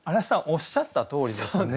おっしゃったとおりですね。